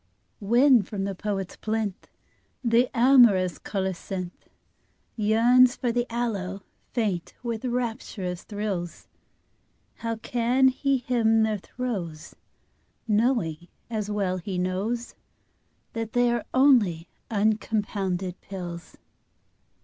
When from the poet's plinth The amorous colocynth Yearns for the aloe, faint with rapturous thrills, How can he hymn their throes Knowing, as well he knows, That they are only uncompounded pills?